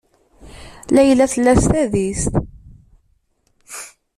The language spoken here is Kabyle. Layla tella s tadist.